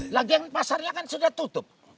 lagi yang pasarnya kan sudah tutup